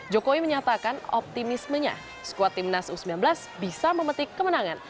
jokowi menyatakan optimismenya skuad timnas u sembilan belas bisa memetik kemenangan